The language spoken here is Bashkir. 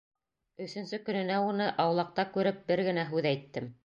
Өсөнсө көнөнә уны аулаҡта күреп бер генә һүҙ әйттем: